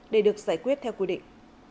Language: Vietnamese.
để được giải quyết theo quy định